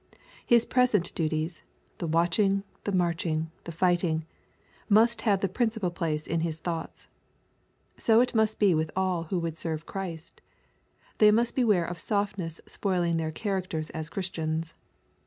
His present duties — the watching, the marching, the fighting, — ^must have the principal place in his thoughts. So must it be with all who would serve Christ They must beware of soft ness spoiling their characters as Christians.